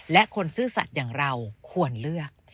และคนซื่อสัตว์อย่างเราควรเลือก